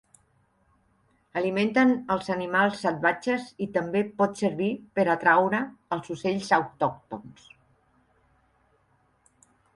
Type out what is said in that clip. Alimenten els animals salvatges i també pot servir per atraure els ocells autòctons.